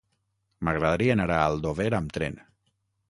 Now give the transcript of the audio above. M'agradaria anar a Aldover amb tren.